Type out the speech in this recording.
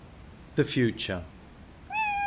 THE FUTURE. I.